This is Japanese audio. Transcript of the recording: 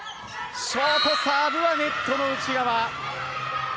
ショートサーブはネットの内側。